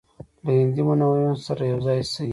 له هندي منورینو سره یو ځای شي.